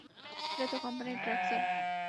এটাতো কোম্পানির truck sir.